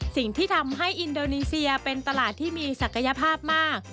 สิ่งที่ทำให้อินโดนีเซียเป็นตลาดที่มีศักยภาพมาก